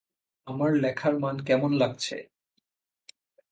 আমার লেখার মান কেমন লাগছে?